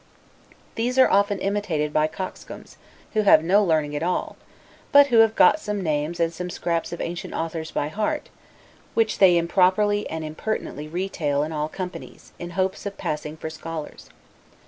These are often imitated by coxcombs, who have no learning at all; but who have got some names and some scraps of ancient authors by heart, which they improperly and impertinently retail in all companies, in hopes of passing for scholars.